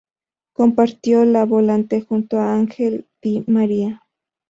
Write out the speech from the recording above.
Compartió la volante junto a Ángel Di María.